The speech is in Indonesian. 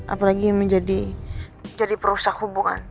apalagi menjadi perusaha hubungan